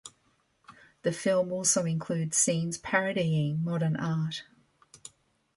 The film also includes scenes parodying modern art.